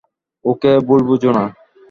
ওকে ভুল বুঝো না।